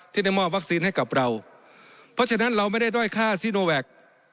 ที่ได้มอบวัคซีนให้กับเราเพราะฉะนั้นเราไม่ได้ด้อยค่าซีโนแวค